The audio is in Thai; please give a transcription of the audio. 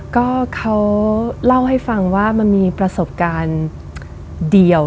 ก็เขาเล่าให้ฟังว่ามันมีประสบการณ์เดียว